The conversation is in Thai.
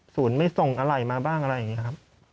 ไม่ส่งอะไรมาบ้างอะไรอย่างนี้ครับ